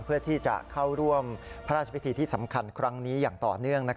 เพื่อที่จะเข้าร่วมพระราชพิธีที่สำคัญครั้งนี้อย่างต่อเนื่อง